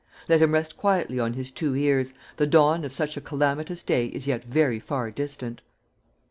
Let him rest quietly on his two ears; the dawn of such a calamitous day is yet very far distant.